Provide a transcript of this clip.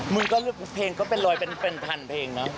มึงก็เลือกเพลงก็เป็นร้อยเป็นพันเพลงเนอะ